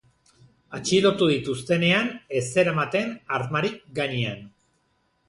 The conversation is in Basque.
Atxilotu dituztenean ez zeramaten armarik gainean.